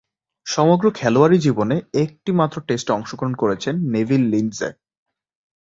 সমগ্র খেলোয়াড়ী জীবনে একটিমাত্র টেস্টে অংশগ্রহণ করেছেন নেভিল লিন্ডসে।